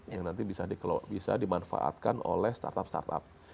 yang nanti bisa dimanfaatkan oleh startup startup